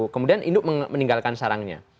kemudian induk meninggalkan sarangnya